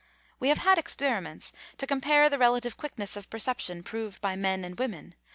We have had experiments to compare the relative quickness of perception proved by men and women.